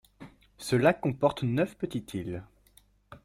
Ce lac comporte neuf petites îles.